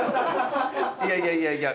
いやいやいやいや。